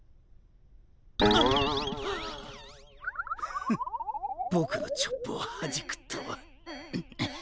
フッボクのチョップをはじくとは。